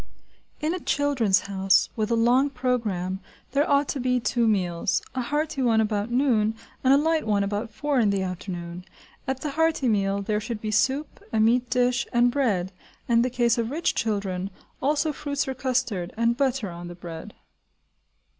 In a "Children's House" with a long programme there ought to be two meals, a hearty one about noon, and a light one about four in the afternoon. At the hearty meal, there should be soup, a meat dish, and bread, and, in the case of rich children, also fruits or custard, and butter on the bread.